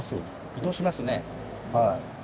移動しますね。